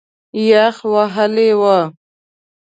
یخ وهلی و.